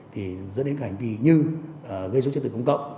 thì dẫn đến cả hành vi như gây xuất chất tự công cộng